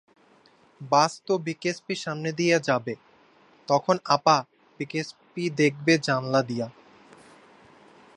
বাস তো বিকেএসপির সামনে দিয়া যাবে, তখন আপা বিকেএসপি দেখবে জানলা দিয়া।